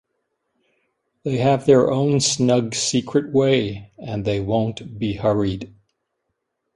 They have their own snug secret way, and they won’t be hurried.